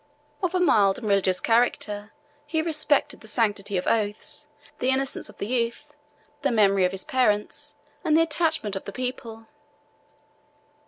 Of a mild and religious character, he respected the sanctity of oaths, the innocence of the youth, the memory of his parents, and the attachment of the people.